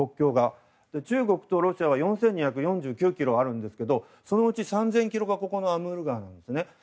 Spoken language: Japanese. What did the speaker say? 中国とロシアは４２４９ｋｍあるんですけどそのうち３０００ｋｍはアムール川です。